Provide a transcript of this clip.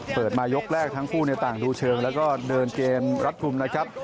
เปิดมายกแรกทั้งคู่ต่างดูเชิงแล้วก็เดินเกมรัดกลุ่มนะครับ